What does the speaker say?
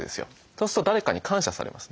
そうすると誰かに感謝されますね。